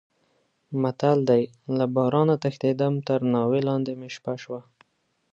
متل دی: له بارانه تښتېدم تر ناوې لانې مې شپه شوه.